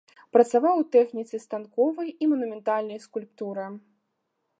Працаваў у тэхніцы станковай і манументальнай скульптуры.